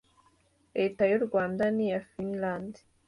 Leta y’u Rwanda n’iya Finland